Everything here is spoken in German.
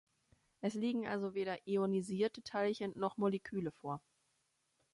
Es liegen also weder ionisierte Teilchen noch Moleküle vor.